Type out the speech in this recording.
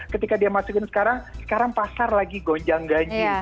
ketika dia masukin sekarang sekarang pasar lagi gonjang ganjing